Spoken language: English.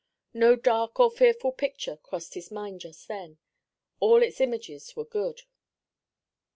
No dark or fearful picture crossed his mind just then; all its images were good.